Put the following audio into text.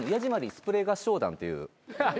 スプレー合唱団っていう。